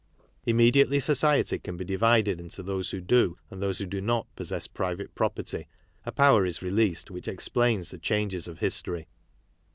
Immediately society can be divided into those who do, and those who do not, possess private property, a power is released |which explains the changes of history.